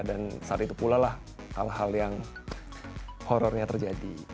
dan saat itu pula lah hal hal yang horornya terjadi